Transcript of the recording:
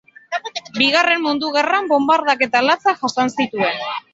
Bigarren Mundu Gerran bonbardaketa latzak jasan zituen.